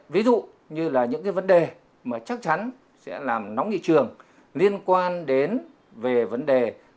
ví dụ như là những cái vấn đề mà chắc chắn sẽ làm nóng nghị trường liên quan đến về vấn đề